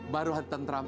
baru haditan terang